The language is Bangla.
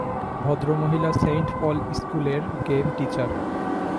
ভদ্রমহিলা সেইন্ট পল স্কুলের গেম টীচার।